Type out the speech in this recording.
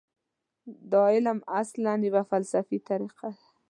دا علم اصلاً یوه فلسفي طریقه ده.